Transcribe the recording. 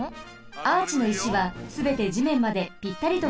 アーチの石はすべてじめんまでぴったりとくっついています。